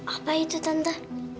apa itu tante